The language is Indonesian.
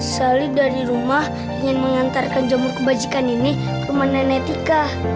saya dari rumah ingin mengantarkan jamur kebajikan ini ke rumah nenek tika